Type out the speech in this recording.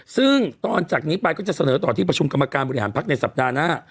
ซึ่งตอนจากนี้ไปก็จะเสนอต่อที่ประชุมกรรมการบริหารพักในสัปดาห์หน้า